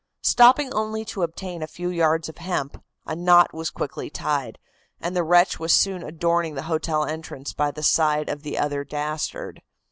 Stopping only to obtain a few yards of hemp, a knot was quickly tied, and the wretch was soon adorning the hotel entrance by the side of the other dastard.